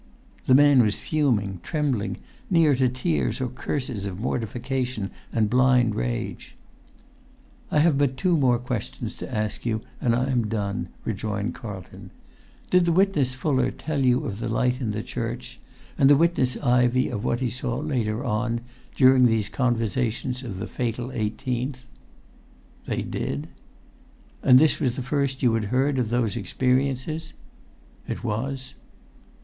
The man was fuming, trembling, near to tears or curses of mortification and blind rage. "I have but two more questions to ask you, and I am done," rejoined Carlton. "Did the witness Fuller tell you of the light in the church, and the witness Ivey of what he saw later on, during these conversations of the fatal eighteenth?" "They did." "And was this the first you had heard of those experiences?" "It was."